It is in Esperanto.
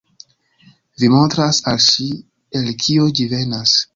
Vi montras al ŝi, el kio ĝi venas.